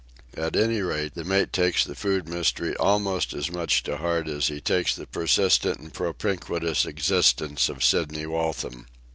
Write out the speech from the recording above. At any rate, the mate takes the food mystery almost as much to heart as he takes the persistent and propinquitous existence of Sidney Waltham.